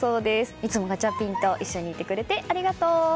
いつもガチャピンと一緒にいてくれてありがとう。